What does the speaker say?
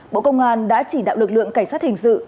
bộ công an đã chỉ đạo lực lượng cảnh sát hình sự